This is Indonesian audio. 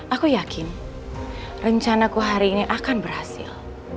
aku yakin rencanaku hari ini akan berhasil